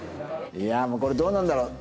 いやもうこれどうなるんだろう？